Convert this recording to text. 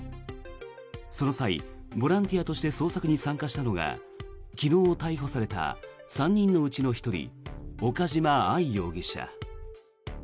その際、ボランティアとして捜索に参加したのが昨日逮捕された３人のうちの１人岡島愛容疑者。